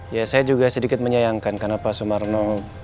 ya saya juga sedikit menyayangkan karena pak sumarno